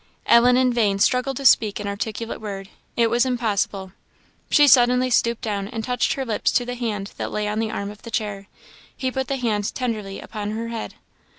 Ellen in vain struggled to speak an articulate word; it was impossible; she suddenly stooped down and touched her lips to the hand that lay on the arm of the chair. He put the hand tenderly upon her head.